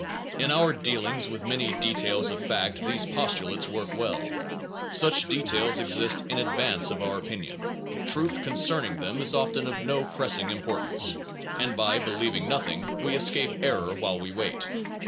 In our dealings with many details of fact these postulates work well. Such details exist in advance of our opinion ; truth concerning them is often of no pressing importance; and by believing nothing, we escape error while we wait.